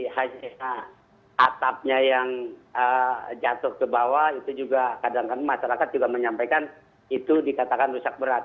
hanya atapnya yang jatuh ke bawah itu juga kadang kadang masyarakat juga menyampaikan itu dikatakan rusak berat